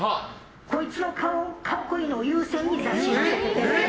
こいつの顔、格好いいのを優先に雑誌に載せて。